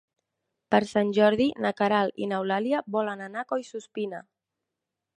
Per Sant Jordi na Queralt i n'Eulàlia volen anar a Collsuspina.